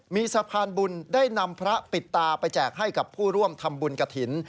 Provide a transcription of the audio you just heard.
มีสะพานบุญได้นำพระปิดตาไปแจกให้กับผู้ร่วมทำบุญกระถิ่น